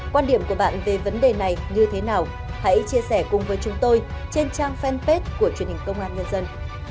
quan điểm của bạn về vấn đề này như thế nào hãy chia sẻ cùng với chúng tôi trên trang fanpage của truyền hình công an nhân dân